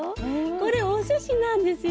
これおすしなんですよ。